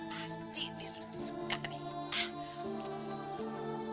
pasti dia harus suka nih